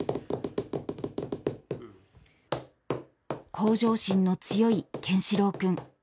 向上心の強い健志郎君。